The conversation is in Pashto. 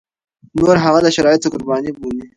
نور هغه د شرايطو قرباني بولي.